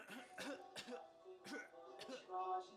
Deputatlar bir qator huquqlardan mahrum bo‘ldilar